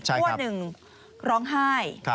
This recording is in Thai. หัวหนึ่งร้องไห้